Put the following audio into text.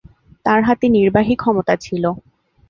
তার হাতে নির্বাহী ক্ষমতা ছিল।